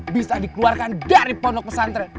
bisa dikeluarkan dari pondok pesantren